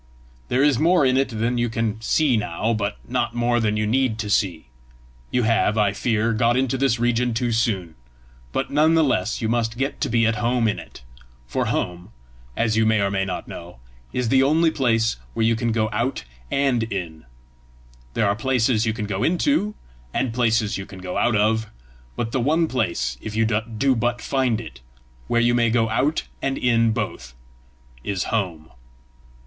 There is more in it than you can see now, but not more than you need to see. You have, I fear, got into this region too soon, but none the less you must get to be at home in it; for home, as you may or may not know, is the only place where you can go out and in. There are places you can go into, and places you can go out of; but the one place, if you do but find it, where you may go out and in both, is home."